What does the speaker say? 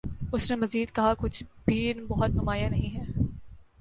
اس نے مزید کہا کچھ بھِی بہت نُمایاں نہیں ہے